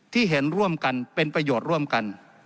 เห็นร่วมกันเป็นประโยชน์ร่วมกัน